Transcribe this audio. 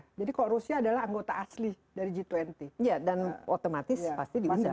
ya jadi kok rusia adalah anggota asli dari g dua puluh dan otomatis pasti diundang